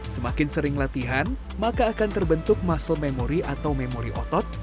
semakin sering latihan maka akan terbentuk muscle memori atau memori otot